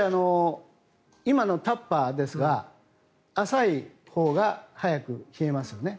今のタッパーですが浅いほうが早く冷えますよね。